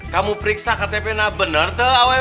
kamu periksa ktp nah bener tuh aww